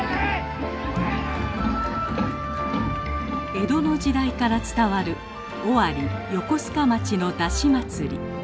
江戸の時代から伝わる尾張横須賀町の山車祭り。